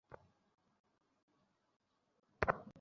ফলে সে অনুগত হয়ে গিয়েছে।